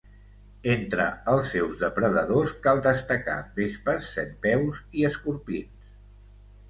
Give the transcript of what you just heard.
Entre els seus depredadors cal destacar vespes, centpeus, i escorpins.